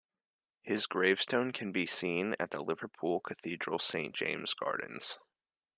His gravestone can be seen at the Liverpool Cathedral Saint James Gardens.